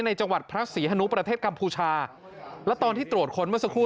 จังหวัดพระศรีฮนุประเทศกัมพูชาแล้วตอนที่ตรวจค้นเมื่อสักครู่